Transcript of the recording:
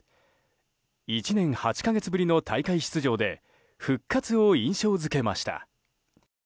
１年８か月ぶりの大会出場で復活を印象付けました。